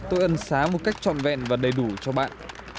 ơn xá một cách trọn vẹn và đầy đủ cho bạn